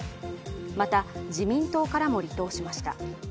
また、自民党からも離党しました。